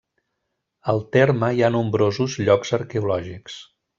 Al terme, hi ha nombrosos llocs arqueològics.